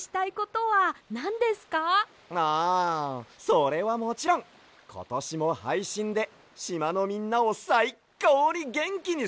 それはもちろんことしもはいしんでしまのみんなをさいこうにげんきにすることさ！